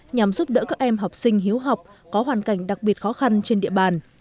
nhằm giúp đỡ các em học sinh hiếu học có hoàn cảnh đặc biệt khó khăn trên địa bàn